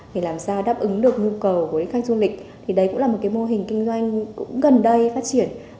để làm sao đáp ứng được nhu cầu của khách du lịch thì đấy cũng là một cái mô hình kinh doanh cũng gần đây phát triển